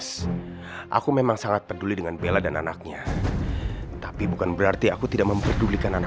saya mau cek pasien atas nama kenzo widarjo dirawat di kamar mana